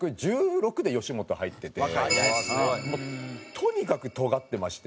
とにかくトガってまして。